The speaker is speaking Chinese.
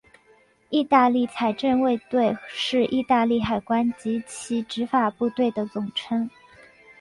意大利财政卫队是意大利海关及其执法部队的总称。